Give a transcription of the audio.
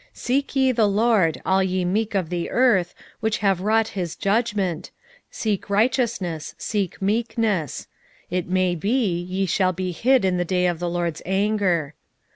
2:3 Seek ye the LORD, all ye meek of the earth, which have wrought his judgment; seek righteousness, seek meekness: it may be ye shall be hid in the day of the LORD's anger.